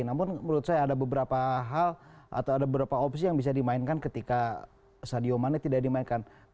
namun menurut saya ada beberapa hal atau ada beberapa opsi yang bisa dimainkan ketika sadio mane tidak dimainkan